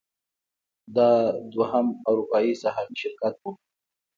دا دویم اروپايي سهامي شرکت و.